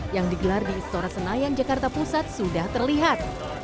yang digelar di istora senayan jakarta pusat sudah terlihat